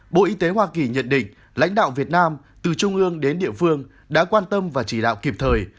bộ y tế hoa kỳ nhận định lãnh đạo việt nam từ trung ương đến địa phương đã quan tâm và chỉ đạo kịp thời